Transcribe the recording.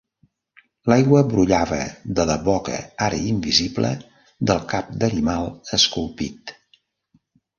L'aigua brollava de la boca, ara invisible, del cap d'animal esculpit.